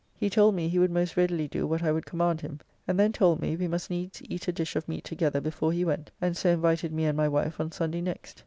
] he told me he would most readily do what I would command him, and then told me we must needs eat a dish of meat together before he went, and so invited me and my wife on Sunday next.